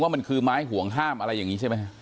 มันคือไม้ห่วงห้ามอะไรอย่างนี้ใช่ไหม